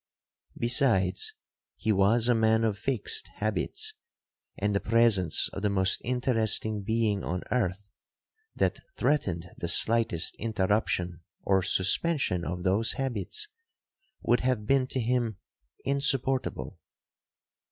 Besides, he was a man of fixed habits; and the presence of the most interesting being on earth, that threatened the slightest interruption or suspension of those habits, would have been to him insupportable.